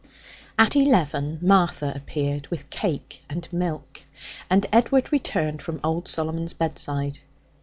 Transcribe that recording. At eleven Martha appeared with cake and milk, and Edward returned from old Solomon's bedside.